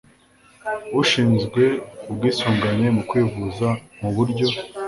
ushinzwe ubwisungane mu kwivuza mu buryo